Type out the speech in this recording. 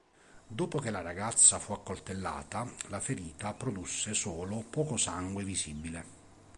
Dopo che la ragazza fu accoltellata, la ferita produsse solo poco sangue visibile.